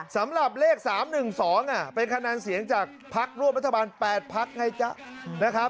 สำหรับเลข๓๑๒เป็นขนาดเสียงจากพักร่วมรัฐบาล๘พักไงจ๊ะ